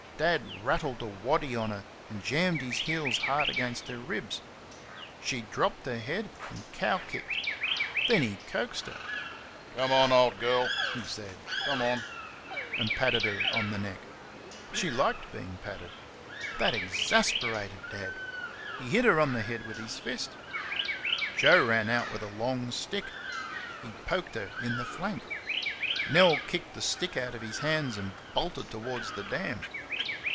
Dad rattled a waddy on her and jammed his heels hard against her ribs. She dropped her head and cow kicked. Then he coaxed her. "Come on, old girl," he said; "come on," and patted her on the neck. She liked being patted. That exasperated Dad. He hit her on the head with his fist. Joe ran out with a long stick. He poked her in the flank. Nell kicked the stick out of his hands and bolted towards the dam.